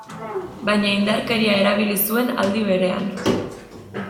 Baina indarkeria erabili zuen aldi berean.